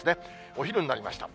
お昼になりました。